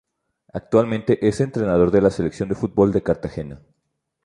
Actualmente es entrenador de la Selección de Fútbol de Cartagena.